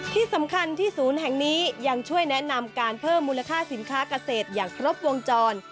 ที่สำคัญที่ศูนย์แห่งนี้ยังช่วยแนะนำการเพิ่มมูลค่าสินค้าเกษตรอย่างครบวงจร